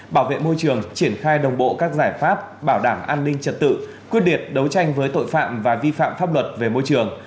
bảo vệ môi trường triển khai đồng bộ các giải pháp bảo đảm an ninh trật tự quyết liệt đấu tranh với tội phạm và vi phạm pháp luật về môi trường